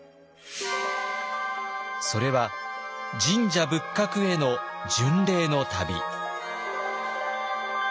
それは神社仏閣への巡礼の旅。